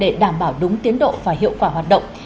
để đảm bảo đúng tiến độ và hiệu quả hoạt động